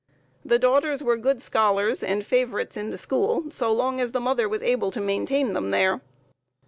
The daughters were good scholars, and favorites in the school, so long as the mother was able to maintain them there.